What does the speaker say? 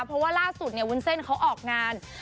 เพราะว่าล่าสุดเนี่ยวุ้นเส้นเขาออกงาน